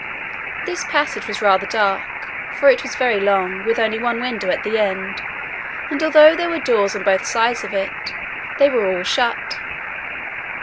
This passage was rather dark, for it was very long, with only one window at the end, and although there were doors on both sides of it, they were all shut.